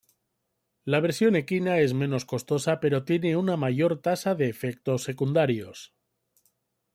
La versión equina es menos costosa pero tiene una mayor tasa de efectos secundarios.